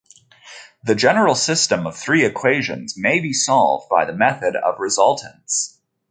The general system of three equations may be solved by the method of resultants.